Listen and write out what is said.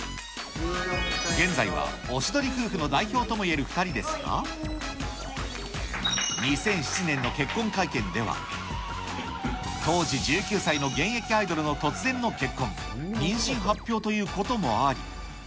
現在はおしどり夫婦の代表ともいえる２人ですが、２００７年の結婚会見では、当時１９歳の現役アイドルの突然の結婚、妊娠発表ということもあり。